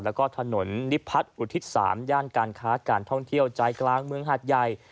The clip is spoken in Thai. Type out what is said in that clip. แล้วก็ถนนนิพัฒน์อุทิศ๓ย่านการค้าการท่องเที่ยวใจกลางเมืองหาดใหญ่